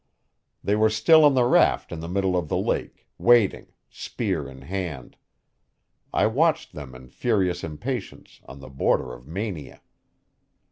They were still on the raft in the middle of the lake, waiting, spear in hand. I watched them in furious impatience, on the border of mania.